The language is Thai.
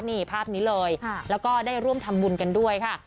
นี่ภาพนี้เลยแล้วก็ได้ร่วมทำบุญกันด้วยค่ะ